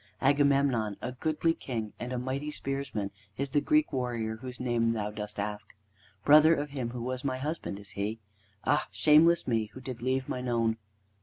Agamemnon, a goodly king and a mighty spearsman, is the Greek warrior whose name thou dost ask. Brother of him who was my husband is he. Ah! shameless me, who did leave mine own."